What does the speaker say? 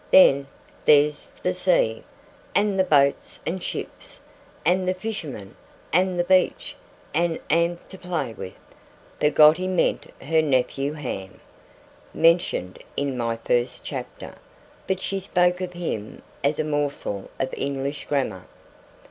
'Then there's the sea; and the boats and ships; and the fishermen; and the beach; and Am to play with ' Peggotty meant her nephew Ham, mentioned in my first chapter; but she spoke of him as a morsel of English Grammar.